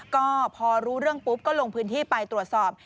ก็พอรู้เรื่องปุ๊บก็ลงพื้นที่ไปตรวจสอบ